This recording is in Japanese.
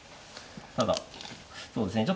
ただそうですね